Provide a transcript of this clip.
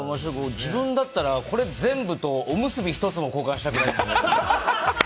自分だったらこれ全部とおむすび１つも交換したくないです。